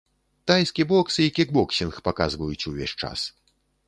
Тайскі бокс і кікбоксінг паказваюць увесь час.